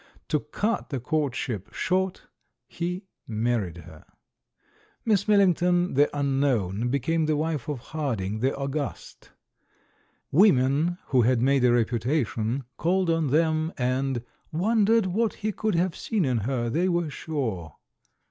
To cut the courtship short, he married her. Miss Milhngton, the unknown, be came the wife of Harding, the august. Women who had made a reputation called on them, and * 'wondered what he could have seen in her, they were sure!"